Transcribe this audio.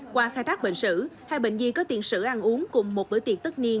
qua khai thác bệnh sử hai bệnh nhi có tiền sử ăn uống cùng một bữa tiệc tất niên